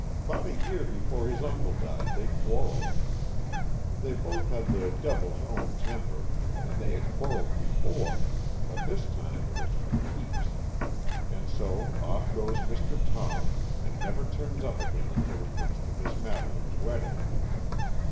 'Bout a year before his uncle died they quarrelled. They both had the devil's own temper, and they had quarrelled before, but this time it was for keeps; and so off goes Mr. Tom, and never turns up again until he comes to Miss Madeleine's wedding."